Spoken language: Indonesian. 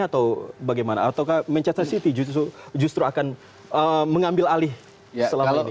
atau bagaimana atau manchester city justru akan mengambil alih selama ini